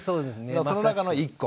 その中の１個。